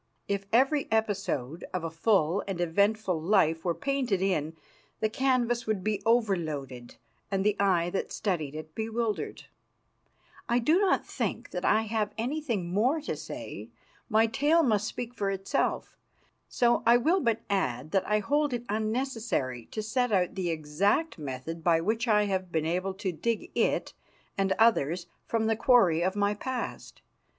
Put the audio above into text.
If every episode of a full and eventful life were painted in, the canvas would be overloaded and the eye that studied it bewildered. I do not think that I have anything more to say. My tale must speak for itself. So I will but add that I hold it unnecessary to set out the exact method by which I have been able to dig it and others from the quarry of my past.